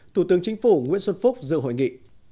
thủ tướng chính phủ nguyễn xuân phúc dự hội nghị